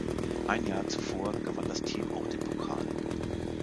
Ein Jahr zuvor gewann das Team auch den Pokal.